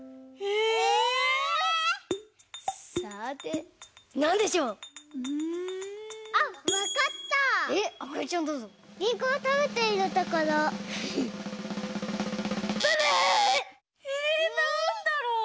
えなんだろう。